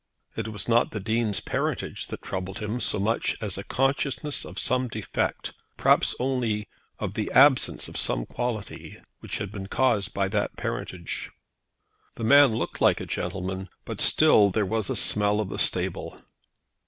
It was not the Dean's parentage that troubled him so much as a consciousness of some defect, perhaps only of the absence of some quality, which had been caused by that parentage. The man looked like a gentleman, but still there was a smell of the stable.